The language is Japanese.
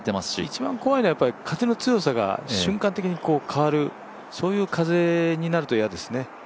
一番怖いのは風の強さが瞬間的に変わるそういう風になると嫌ですね。